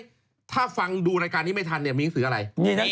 ไม่ได้ล่ะก็ถ้าฟังดูรายการนี้ไม่ทันเนี่ยมีหนังสืออะไร